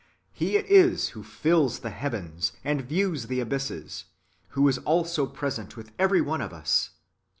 He it is who fills the heavens, and views the abysses, who is also present with every one of lis.